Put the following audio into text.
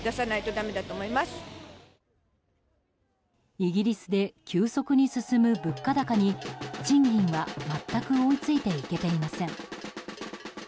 イギリスで急速に進む物価高に賃金は全く追いついていけていません。